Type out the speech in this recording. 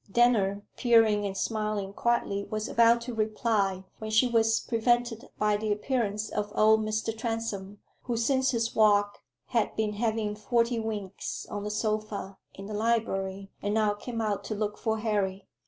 Denner, peering and smiling quietly, was about to reply, when she was prevented by the appearance of old Mr. Transome, who since his walk had been having "forty winks" on the sofa in the library, and now came out to look for Harry.